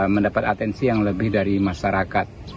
mendapat atensi yang lebih dari masyarakat